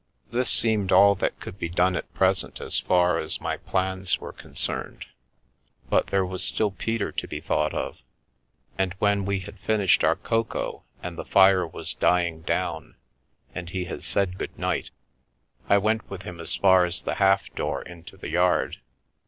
This seemed all that could be done at present as far as my plans were concerned, but there was still Peter to be thought of, and when we had finished our cocoa and the fire was dying down and he had said good night, I went with him as far as the half door into the yard.